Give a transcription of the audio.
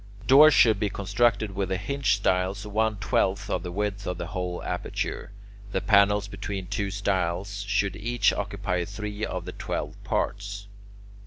Doors should be constructed with the hinge stiles one twelfth of the width of the whole aperture. The panels between two stiles should each occupy three of the twelve parts.